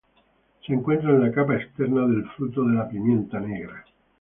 Se encuentra en la capa externa del fruto de la pimienta negra.